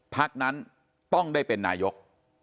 พักนั้นต้องได้เป็นนายก